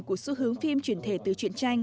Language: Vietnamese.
của xu hướng phim chuyển thể từ chuyện tranh